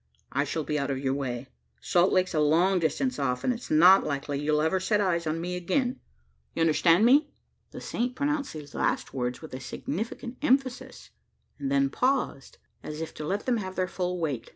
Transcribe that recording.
I shall be out of your way Salt Lake's a long distance off and it's not likely you'll ever set eyes on me again. You understand me?" The saint pronounced these last words with a significant emphasis; and then paused, as if to let them have their full weight.